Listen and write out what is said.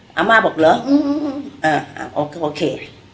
เอออาม่าบอกเหรออืมอืมอืมเออเอาโอเคโอเค